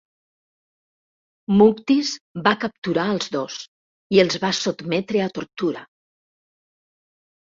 Muktis va capturar als dos i els va sotmetre a tortura.